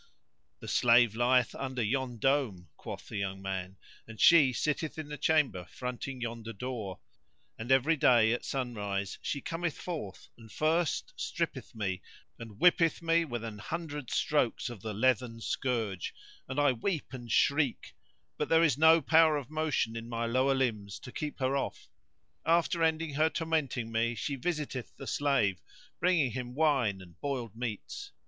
"The slave lieth under yon dome," quoth the young man, "and she sitteth in the chamber fronting yonder door. And every day at sunrise she cometh forth, and first strippeth me, and whippeth me with an hundred strokes of the leathern scourge, and I weep and shriek; but there is no power of motion in my lower limbs to keep her off me. After ending her tormenting me she visiteth the slave, bringing him wine and boiled meats.